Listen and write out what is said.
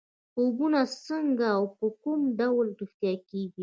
خوبونه څنګه او په کوم ډول رښتیا کېږي.